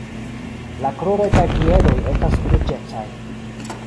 La kruroj kaj piedoj estas ruĝecaj.